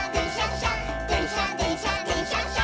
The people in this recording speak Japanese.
しゃでんしゃでんしゃでんしゃっしゃ」